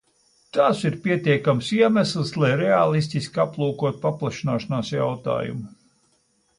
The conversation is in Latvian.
Tas ir pietiekams iemesls, lai reālistiski aplūkotu paplašināšanās jautājumu.